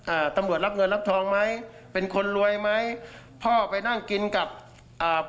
อ่าตำรวจรับเงินรับทองไหมเป็นคนรวยไหมพ่อไปนั่งกินกับอ่า